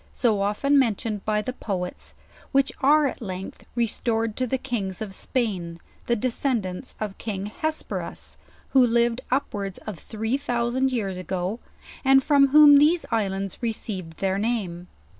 159 so often mentioned by the poets; which are at length restored to the kings of Spain, the descendants of king Hesperus, who lived upwards of three thousand years ago, and from whom these islands received their name.